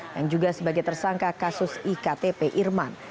yang juga sebagai tersangka kasus iktp irman